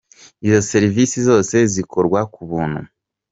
Izo serivise zose zikorwa ku buntu.